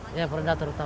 banyak predator utama